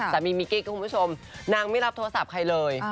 สามีมีกิ๊กคุณผู้ชมนางไม่รับโทรศัพท์ใครเลย